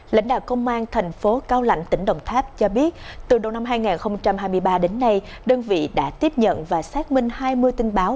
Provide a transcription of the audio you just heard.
lãnh đạo công an thành phố cao lạnh tỉnh đồng tháp cho biết từ đầu năm hai nghìn hai mươi ba đến nay đơn vị đã tiếp nhận và xác minh hai mươi tin báo